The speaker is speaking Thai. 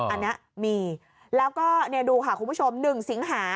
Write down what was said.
อันนี้มีแล้วก็ดูค่ะคุณผู้ชม๑สิงหา